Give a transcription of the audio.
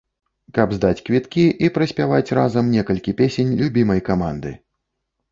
Каб здаць квіткі і праспяваць разам некалькі песень любімай каманды.